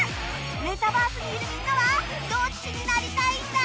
メタバースにいるみんなはどっちになりたいんだ？